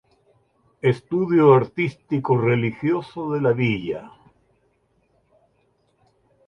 Estudio Artístico-Religioso de la Villa.